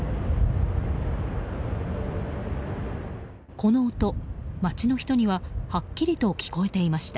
この音、街の人にははっきりと聞こえていました。